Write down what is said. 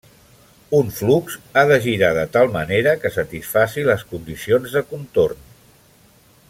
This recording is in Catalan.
Un flux ha de girar de tal manera que satisfaci les condicions de contorn.